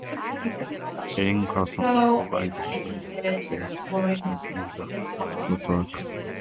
Elin Carlson provided all vocals featured in the score tracks.